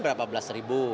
berapa belas ribu